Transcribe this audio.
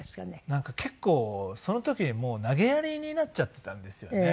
なんか結構その時にもう投げやりになっちゃっていたんですよね。